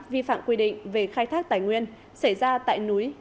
vi phạm quy định về khai thác tài nguyên xảy ra tại núi